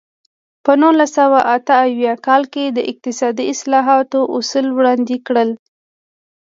په نولس سوه اته اویا کال کې د اقتصادي اصلاحاتو اصول وړاندې کړل.